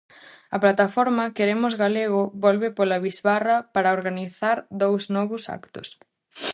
A plataforma Queremos Galego volve pola bisbarra para organizar dous novos actos.